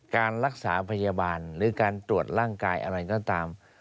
การรักษาพยาบาลหรือการตรวจร่างกายอะไรก็ตาม